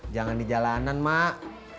jangan di jalanan mak